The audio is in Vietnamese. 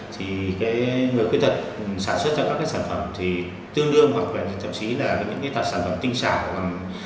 thì cái người khuyết tật sản xuất cho các cái sản phẩm thì tương đương hoặc là thậm chí là những cái sản phẩm tinh xào